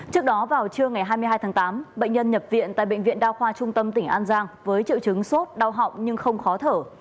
trước đó vào trưa ngày hai mươi hai tháng tám bệnh nhân nhập viện tại bệnh viện đa khoa trung tâm tỉnh an giang với triệu chứng sốt đau họng nhưng không khó thở